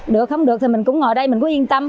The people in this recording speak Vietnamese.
được không được thì mình cũng ngồi đây mình cũng yên tâm